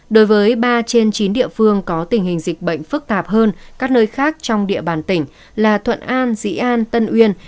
đối với ba trên chín địa phương có tình hình dịch bệnh phức tạp hơn các nơi khác trong địa bàn tỉnh là thuận an dĩ an tân uyên